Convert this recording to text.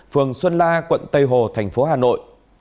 phường xuân la quận tây hồ thành phố hà nội